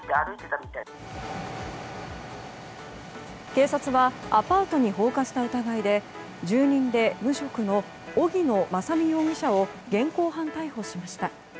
警察はアパートに放火した疑いで住人で無職の荻野正美容疑者を現行犯逮捕しました。